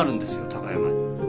高山に。